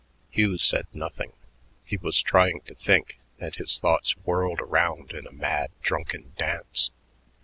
Hugh said nothing. He was trying to think, and his thoughts whirled around in a mad, drunken dance.